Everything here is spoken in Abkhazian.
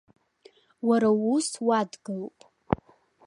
Уара уус уадгылоуп.